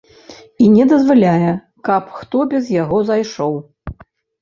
І не дазваляе, каб хто без яго зайшоў.